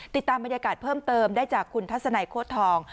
ติดตามบรรยากาศเพิ่มเติมได้จากคุณทัศนัยโค้ดทอง